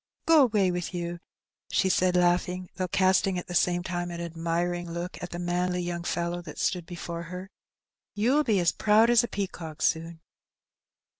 "Go away with you," she said, laughing, though casting at the same time an admiring look at the manly young fellow that stood before her, "you'll be as proud as a pea cock soon."